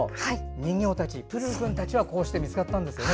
人形たち、プルルくんたちはこうして見つかったんですよね。